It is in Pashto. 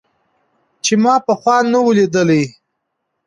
چې ما پخوا نه و ليدلى.